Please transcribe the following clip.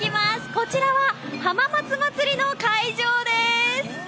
こちらは、浜松まつりの会場です！